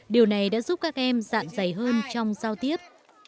điều này đã giúp các em dạng dày hơn trong giao tiếp